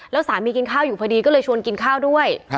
แล้วสามีกินข้าวอยู่พอดีก็เลยชวนกินข้าวด้วย